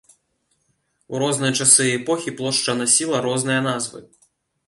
У розныя часы і эпохі плошча насіла розныя назвы.